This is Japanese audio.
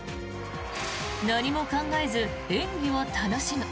何も考えず演技を楽しむ。